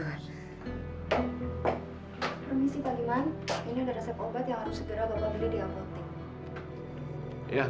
permisi pak giman ini ada resep obat yang harus segera bapak beli di apotek